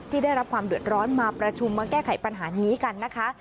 ได้รับความเดือดร้อนมาประชุมมาแก้ไขปัญหานี้กันนะคะ